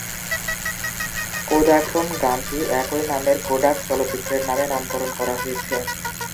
"কোদাক্রোম" গানটি একই নামের কোডাক চলচ্চিত্রের নামে নামকরণ করা হয়েছে।